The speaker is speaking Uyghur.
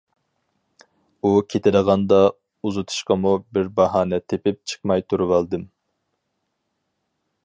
ئۇ كېتىدىغاندا ئۇزىتىشقىمۇ بىر باھانە تېپىپ چىقماي تۇرۇۋالدىم.